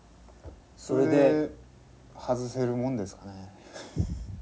それで外せるもんですかね。